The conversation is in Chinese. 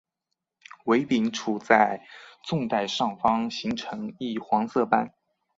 尾柄处在纵带上方形成一黄色斑。